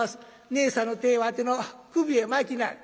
ねえさんの手をわての首へ巻きなはれ。